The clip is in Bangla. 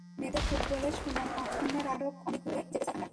মেয়েদের ফুটবলে সুনাম অক্ষুণ্ন রাখতে আরও অনেক দূরে যেতে চাই আমরা।